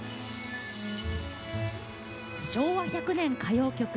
「昭和１００年歌謡曲」